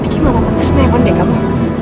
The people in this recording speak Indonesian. bikin mama temen temennya yang bener kamu